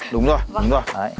đúng rồi đúng rồi